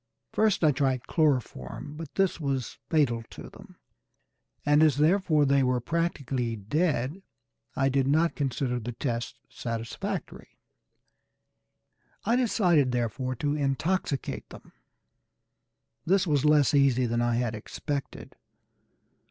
First I tried chloroform, but this was fatal to them; and as therefore they were practically dead, I did not consider the test satisfactory. I decided therefore to intoxicate them. This was less easy than I had expected.